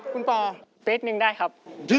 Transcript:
คุณพอตราคม๑เฟสได้ครับ